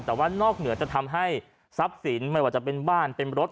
แต่ว่านอกเหนือจะทำให้ทรัพย์สินไม่ว่าจะเป็นบ้านเป็นรถ